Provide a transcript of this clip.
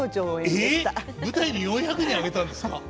えっ舞台に４００人上げたんですか？